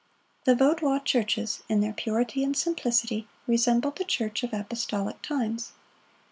The Vaudois churches, in their purity and simplicity, resembled the church of apostolic times.